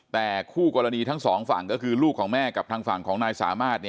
แต่คู่กรณีทั้งสองฝั่งก็คือลูกของแม่กับทางฝั่งของนายสามารถ